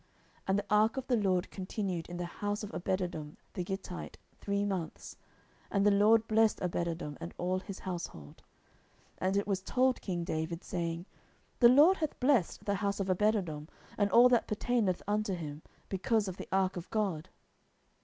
10:006:011 And the ark of the LORD continued in the house of Obededom the Gittite three months: and the LORD blessed Obededom, and all his household. 10:006:012 And it was told king David, saying, The LORD hath blessed the house of Obededom, and all that pertaineth unto him, because of the ark of God.